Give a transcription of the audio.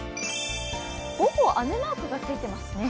午後、雨マークがついてますね。